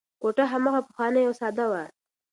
کوټه هماغه پخوانۍ او ساده وه.